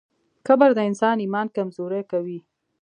کبر د انسان ایمان کمزوری کوي.